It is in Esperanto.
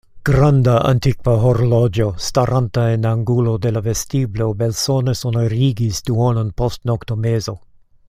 Granda, antikva horloĝo, staranta en angulo de la vestiblo, belsone sonorigis duonon post noktomezo.